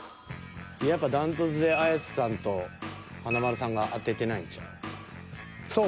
やっぱ断トツで綾瀬さんと華丸さんが当ててないんちゃう？